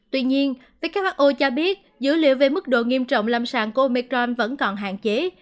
tuy nhiên who cho biết dữ liệu về mức độ nghiêm trọng lâm sàng của omicron vẫn còn hạn chế